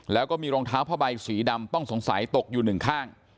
แล้วก็มีรองเท้าผ้าใบสีดำต้องสงสัยตกอยู่หนึ่งข้าง